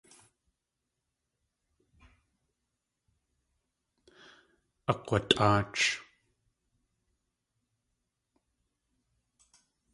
Akg̲watʼáach.